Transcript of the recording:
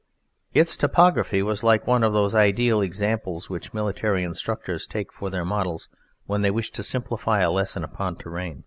Its topography was like one of those ideal examples which military instructors take for their models when they wish to simplify a lesson upon terrain.